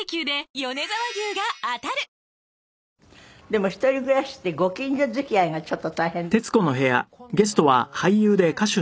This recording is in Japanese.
でも一人暮らしってご近所付き合いがちょっと大変ですって？